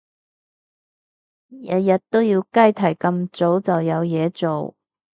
日日都要雞啼咁早就有嘢做？